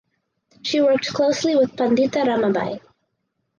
She worked closely with Pandita Ramabai.